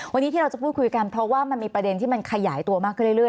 วันนี้ที่เราจะพูดคุยกันเพราะว่ามันมีประเด็นที่มันขยายตัวมากขึ้นเรื่อย